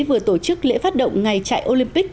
vừa tổ chức lễ phát động ngày chạy olympic